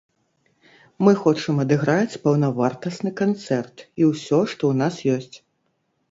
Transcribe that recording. Мы хочам адыграць паўнавартасны канцэрт і ўсё, што ў нас ёсць.